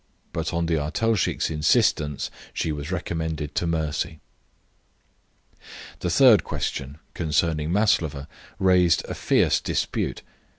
But on the artelshik's insistence she was recommended to mercy. The third question, concerning Maslova, raised a fierce dispute.